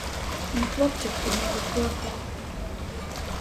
Мій хлопчик, панове, плакав.